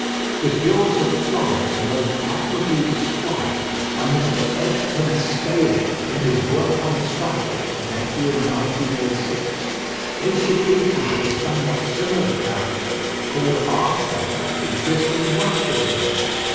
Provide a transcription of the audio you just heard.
The guilds of Florence are most admirably described by Mr Edgcumbe Staley in his work on the subject (Methuen, 1906). Institutions of a somewhat similar character, called "artel," exist in Russia to day, cf.